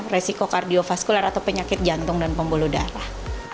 risiko kardiovaskular atau penyakit jantung dan pembuluh darah